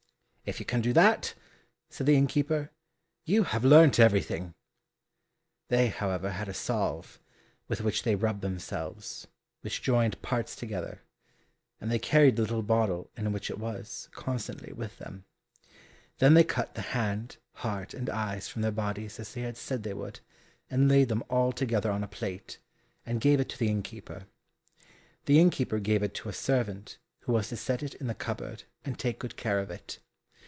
"If you can do that," said the innkeeper, "you have learnt everything." They, however, had a salve, with which they rubbed themselves, which joined parts together, and they carried the little bottle in which it was, constantly with them. Then they cut the hand, heart and eyes from their bodies as they had said they would, and laid them all together on a plate, and gave it to the innkeeper. The innkeeper gave it to a servant who was to set it in the cupboard, and take good care of it.